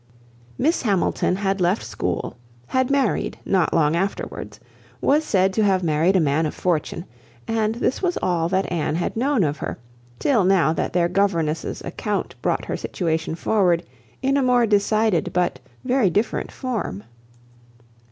Miss Hamilton had left school, had married not long afterwards, was said to have married a man of fortune, and this was all that Anne had known of her, till now that their governess's account brought her situation forward in a more decided but very different form.